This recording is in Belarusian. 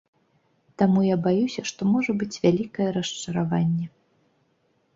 Таму я баюся, што можа быць вялікае расчараванне.